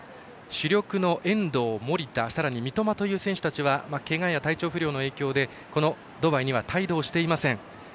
主力の遠藤守田、さらに三笘といった選手たちはけがや体調不良の影響でこのドバイには帯同していません。